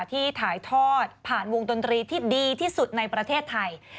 ที่ถ่ายทอดผ่านวงดนตรีที่ดีที่สุดในประเทศไทย